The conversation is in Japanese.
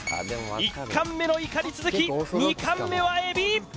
１貫目のいかに続き２貫目はえび！